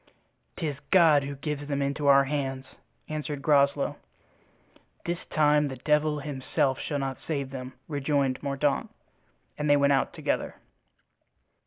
"'Tis God who gives them into our hands," answered Groslow. "This time the devil himself shall not save them," rejoined Mordaunt. And they went out together.